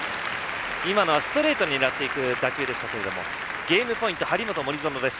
今のはストレートを狙っていく打球でしたがゲームポイント、張本、森薗です。